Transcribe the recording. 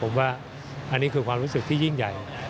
ผมว่าอันนี้คือความรู้สึกที่ยิ่งใหญ่